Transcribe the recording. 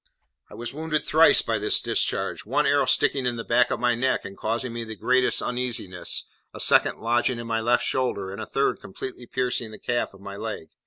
I was wounded thrice by this discharge: one arrow sticking in the back of my neck, and causing me the greatest uneasiness, a second lodging in my left shoulder, and a third completely piercing the calf of my leg.